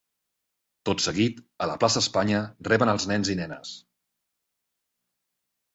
Tot seguit, a la Plaça Espanya reben als nens i nenes.